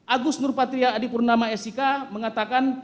agus nurpatria adipurnama sik mengatakan